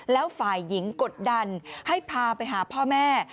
แล้วฝ่ายหญิงกดดันให้พาไปหาพ่อแม่